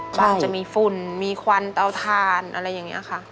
มันจะมีฝุ่นมีควันเตาทานอะไรอย่างนี้ค่ะ